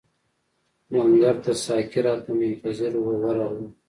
لنګر ته چې ساقي راته منتظر وو ورغلو.